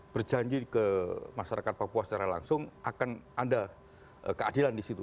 berjanji ke masyarakat papua secara langsung akan ada keadilan di situ